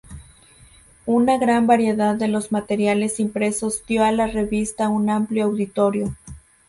Una gran variedad de los materiales impresos dio a la revista un amplio auditorio.